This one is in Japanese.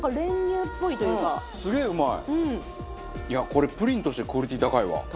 いやこれプリンとしてクオリティー高いわ。